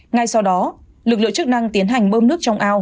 ngay sau đó lực lượng chức năng tiến hành bơm nước trong ao